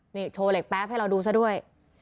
นี่โชว์เหล็กแป๊บให้เราดูซะด้วย